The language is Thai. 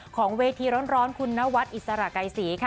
ของเวทีร้อนคุณนวัดอิสระไกรศรีค่ะ